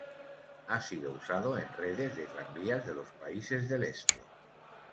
Ha sido usado en redes de tranvías de los Países del Este.